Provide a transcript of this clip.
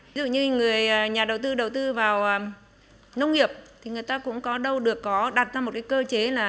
ví dụ như nhà đầu tư đầu tư vào nông nghiệp thì người ta cũng đâu được đặt ra một cơ chế là